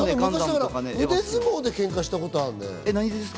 腕相撲でケンカしたことはあるね。